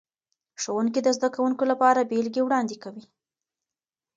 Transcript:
ښوونکي د زده کوونکو لپاره بیلګې وړاندې کوي.